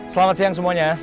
selamat siang semuanya